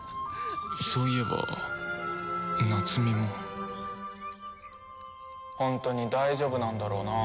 そういえば夏美もホントに大丈夫なんだろうな。